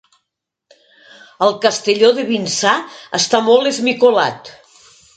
El Castelló de Vinçà està molt esmicolat.